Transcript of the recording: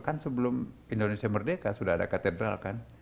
kan sebelum indonesia merdeka sudah ada katedral kan